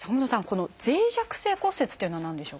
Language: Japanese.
この脆弱性骨折というのは何でしょうか？